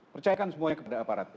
percayakan semuanya kepada aparat